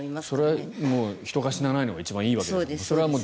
それは人が死なないのが一番いいわけですから。